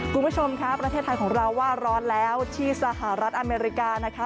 คุณผู้ชมคะประเทศไทยของเราว่าร้อนแล้วที่สหรัฐอเมริกานะคะ